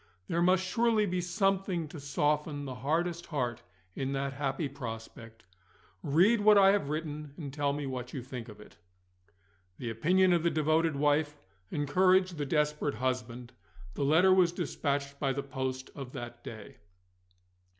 There must surely be something to soften the hardest heart in that happy prospect. Read what I have written, and tell me what you think of it." The opinion of the devoted wife encouraged the desperate husband: the letter was dispatched by the post of that day.